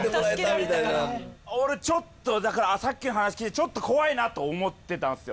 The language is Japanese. みたいな俺ちょっとだからさっきの話聞いてちょっと怖いなと思ってたんすよ